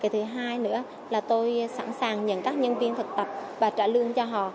thứ hai nữa là tôi sẵn sàng nhận các nhân viên thực tập và trả lương cho họ